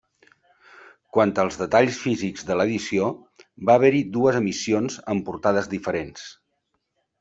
Quant als detalls físics de l'edició, va haver-hi dues emissions amb portades diferents.